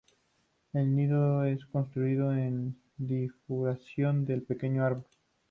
El nido es construido en la bifurcación de un pequeño árbol.